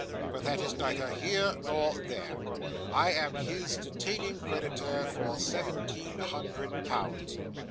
But that is neither here nor there. I am his detaining creditor for seventeen hundred pounds!